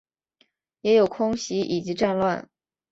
也有空袭以及战乱